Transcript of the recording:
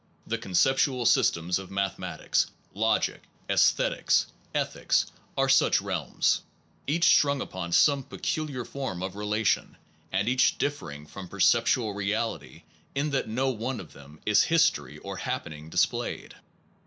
The concept ual systems of mathematics, logic, aesthetics, ethics, are such realms, each strung upon some peculiar form of relation, and each differing from perceptual reality in that in no one of them is history or happening displayed.